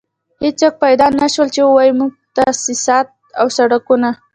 هېڅوک پيدا نه شول چې ووايي موږ تاسيسات او سړکونه.